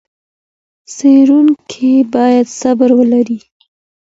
څېړونکی بايد صبر ولري.